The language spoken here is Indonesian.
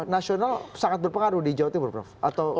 nasional sangat berpengaruh di jawa timur atau oh iya